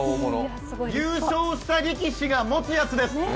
優勝した力士が持つやつです！